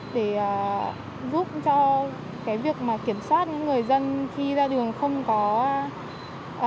để giúp cho cái việc kiểm soát những người dân khi ra đường không có lý do trình đáng